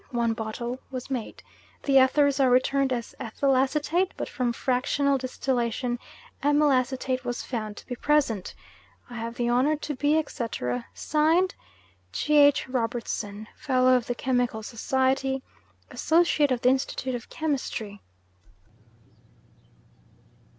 (one bottle) was made. The ethers are returned as ethyl acetate, but from fractional distillation amyl acetate was found to be present. "I have the honour to be, etc., (Signed) "G. H. ROBERTSON. "Fellow of the Chemical Society, "Associate of the Institute of Chemistry."